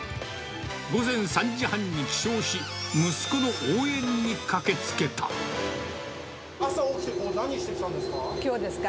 午前３時半に起床し、息子の応援朝、起きて、何してきたんできょうですか？